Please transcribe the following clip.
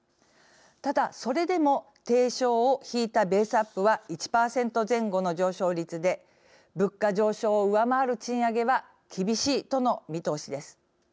ただ、それでも定昇を引いたベースアップは１％前後の上昇率で物価上昇を上回る賃上げは厳しいとの見通しです。